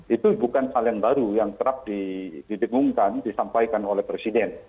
itu bukan hal yang baru yang kerap didengungkan disampaikan oleh presiden